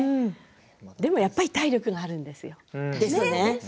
でも、やっぱり体力があるんですよ。